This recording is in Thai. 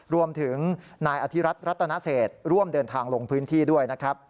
รวมถึงนายอธิรัตน์รัฐนาเศษร่วมเดินทางลงพื้นที่ด้วย